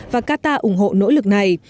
và qatar ủng hộ nỗ lực này